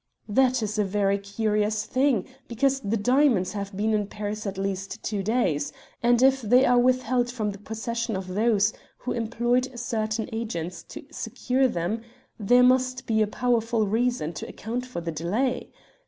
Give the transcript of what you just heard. "That is a very curious thing, because the diamonds have been in Paris at least two days, and if they are withheld from the possession of those who employed certain agents to secure them, there must be a powerful reason to account for the delay.